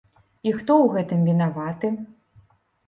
І хто ў гэтым вінаваты?